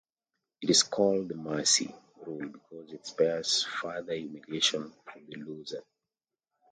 It is called the "mercy" rule because it spares further humiliation for the loser.